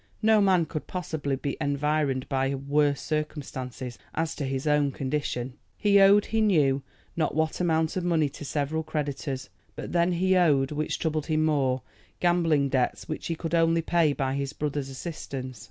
No man could possibly be environed by worse circumstances as to his own condition. He owed he knew not what amount of money to several creditors; but then he owed, which troubled him more, gambling debts, which he could only pay by his brother's assistance.